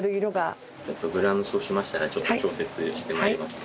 グラムそうしましたらちょっと調節して参りますね。